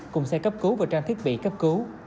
cùng xe cấp cứu và trang thiết bị cấp cứu